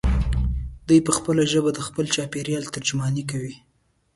دی په خپله ژبه د خپل چاپېریال ترجماني کوي.